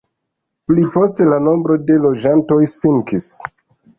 Pli poste la nombro de loĝantoj sinkis.